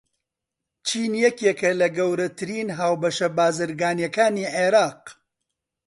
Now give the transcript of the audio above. چین یەکێکە لە گەورەترین هاوبەشە بازرگانییەکانی عێراق.